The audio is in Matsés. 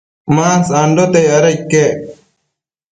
ma sandote, ada iquec